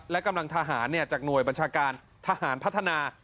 และกำลังทหารจากหน่วยบัญชาการทหารพัฒนา